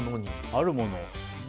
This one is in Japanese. あるもの。